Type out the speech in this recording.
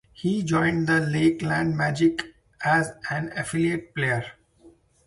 He joined the Lakeland Magic as an affiliate player.